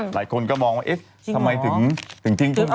หลายคนก็มองว่าเอ๊ะทำไมถึงทิ้งขึ้นมา